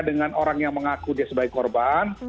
dengan orang yang mengaku dia sebagai korban